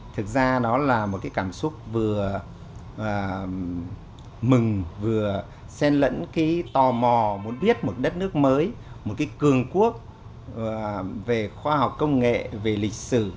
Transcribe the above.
thực ra đó là một cái cảm xúc vừa mừng vừa sen lẫn cái tò mò muốn biết một đất nước mới một cái cường quốc về khoa học công nghệ về lịch sử